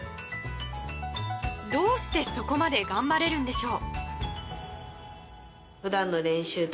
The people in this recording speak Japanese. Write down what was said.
どうしてそこまで頑張れるんでしょう。